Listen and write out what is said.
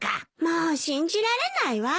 もう信じられないわ。